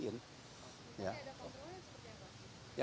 oh itu ada kontrolnya seperti apa